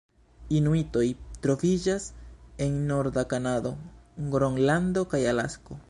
Inuitoj troviĝas en norda Kanado, Gronlando kaj Alasko.